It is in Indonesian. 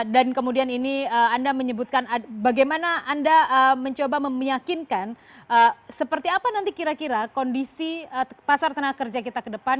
dan kemudian ini anda menyebutkan bagaimana anda mencoba memyakinkan seperti apa nanti kira kira kondisi pasar tenaga kerja kita ke depan